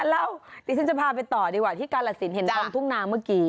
แล้วดิฉันจะพาไปต่อดีกว่าที่กาลสินเห็นท้องทุ่งนาเมื่อกี้